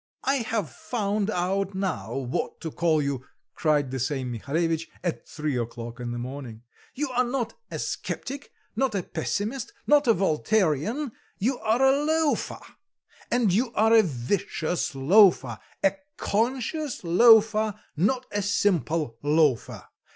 "I have found out now what to call you," cried the same Mihalevitch, at three o'clock in the morning. "You are not a sceptic, nor a pessimist, nor a Voltairean, you are a loafer, and you are a vicious loafer, a conscious loafer, not a simple loafer.